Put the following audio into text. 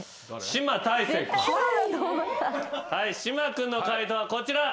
島君の解答はこちら。